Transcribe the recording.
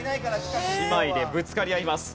姉妹でぶつかり合います。